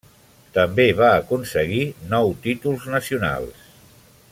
També va aconseguir nou títols nacionals.